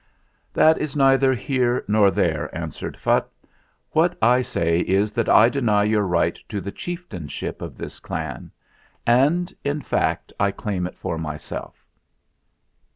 "That is neither here nor there," answered Phutt. "What I say is that I deny your right to the chieftainship of this clan; and, in fact, I claim it for myself."